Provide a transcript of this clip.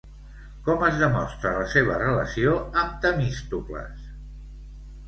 Com es demostra la seva relació amb Temístocles?